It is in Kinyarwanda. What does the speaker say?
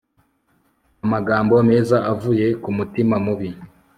amagambo meza avuye ku mutima mubi